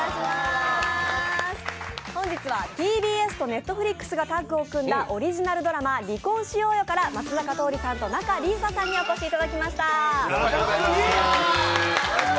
本日はＴＢＳとＮｅｔｆｌｉｘがタッグを組んだオリジナルドラマ「離婚しようよ」から松坂桃李さんと仲里依紗さんにお越しいただきました。